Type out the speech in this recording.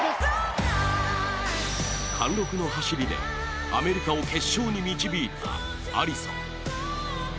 貫禄の走りでアメリカを決勝に導いたアリソン。